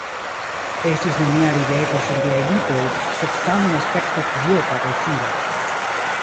Estis nenia rideto sur liaj lipoj, sed tamen aspekto kvieta kaj fida.